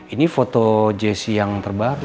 ini foto jessi yang terbaru